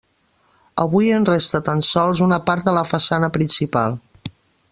Avui en resta tan sols una part de la façana principal.